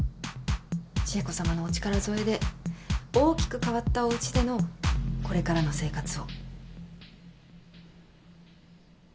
千恵子様のお力添えで大きく変わったおうちでのこれからの生活を。